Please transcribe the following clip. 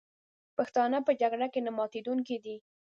پښتانه په جګړه کې نه ماتېدونکي دي.